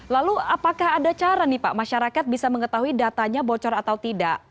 lalu apakah ada cara nih pak masyarakat bisa mengetahui datanya bocor atau tidak